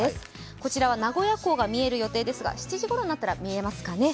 こちらは名古屋港が見える予定ですが、７時ごろになったら見えますかね。